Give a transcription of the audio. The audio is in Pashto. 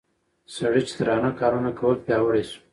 سړي چې درانه کارونه کول پياوړى شو